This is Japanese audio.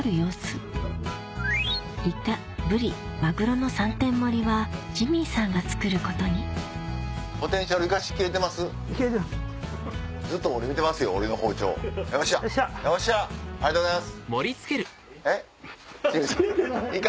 ありがとうございます。